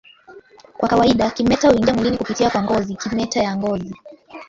Kwa kawaida kimeta huingia mwilini kupitia kwa ngozi kimeta ya ngozi